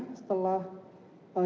kita sudah berusaha